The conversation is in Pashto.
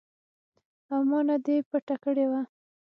او ما نه دې پټه کړې وه.